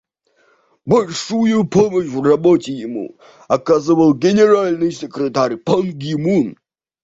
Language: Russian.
Большую помощь в работе ему оказывал Генеральный секретарь Пан Ги Мун.